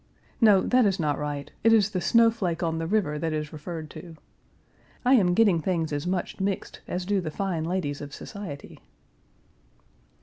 No, that is not right; it is the snow flake on the river that is referred to. I am getting things as much mixed as do the fine ladies of society.